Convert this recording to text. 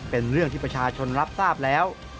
เป็นเรื่องที่ประชาชนรับทราบแล้ว